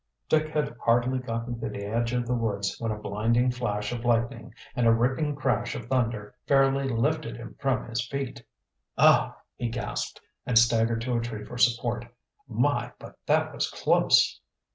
Dick had hardly gotten to the edge of the woods when a blinding flash of lightning and a ripping crash of thunder fairly lifted him from his feet. "Oh!" he gasped, and staggered to a tree for support. "My, but that was close!"